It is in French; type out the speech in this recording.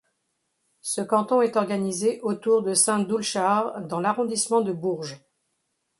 Ce canton est organisé autour de Saint-Doulchard dans l'arrondissement de Bourges.